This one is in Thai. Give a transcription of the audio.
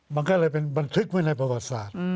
มันก็เลยเป็นบันทึกไว้ในประวัติศาสตร์